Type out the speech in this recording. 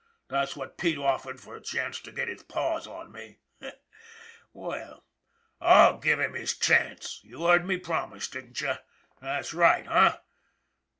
That's what Pete offered for a chance to get his paws on me. Well, /'// give him his chance, you heard me promise, didn't you? That's right, eh?